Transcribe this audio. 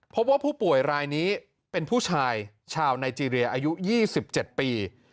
พบว่าผู้ป่วยรายนี้เป็นผู้ชายชาวไนเจรียอายุ๒๗ปี